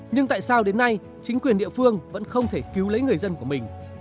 nhưng tại sao đến nay chính quyền địa phương vẫn không thể cứu lấy người dân của mình